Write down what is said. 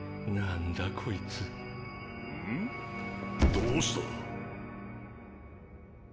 どうした。